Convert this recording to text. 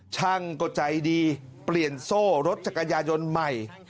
ช่างก็ใจดีเปลี่ยนโซ่รถจักรยายนต์ใหม่